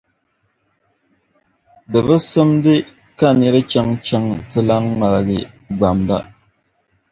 Di bi simdi ka nir’ chaŋchaŋ ti lan ŋmaligi gbamda.